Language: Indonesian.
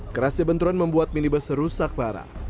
kerasnya benturan membuat minibus rusak parah